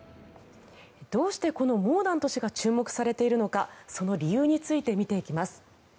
どうしてモーダント氏が注目されているのかその理由について見ていきます。